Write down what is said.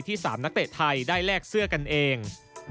๓นักเตะไทยได้แลกเสื้อกันเอง